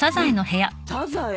サザエ。